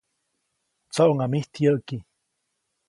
‒¡Tsoʼŋa mijt yäʼki!‒.